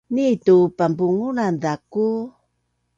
nitu panpungulan zaku